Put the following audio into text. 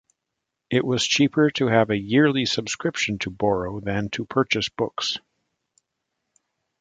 It was cheaper to have a yearly subscription to borrow than to purchase books.